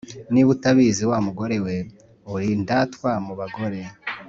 Niba utabizi, wa mugore we, Uri indatwa mu bagore